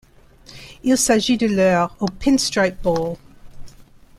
Il s'agit de leur au Pinstripe Bowl.